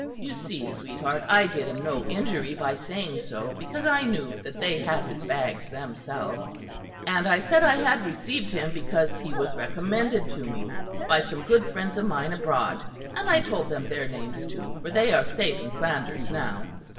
(You see, sweetheart, I did him no injury by saying so, because I knew that they had his bags themselves.) And I said I had received him because he was recommended to me by some good friends of mine abroad, and I told them their names too; for they are safe in Flanders now.